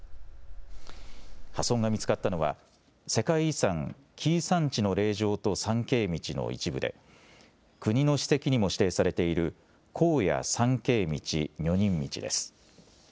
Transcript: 破損が見つかったのは世界遺産、紀伊山地の霊場と参詣道の一部で国の史跡にも指定されている高野参詣道女人道です。